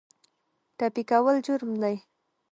ټپي کول جرم دی.